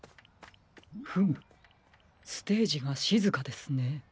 フムステージがしずかですね。